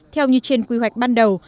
theo như trên quy hoạch ban đầu